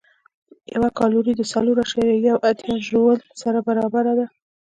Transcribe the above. یوه کالوري د څلور اعشاریه یو اتیا ژول سره برابره ده.